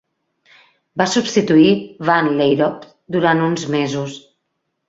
Va substituir Van Lierop durant uns mesos.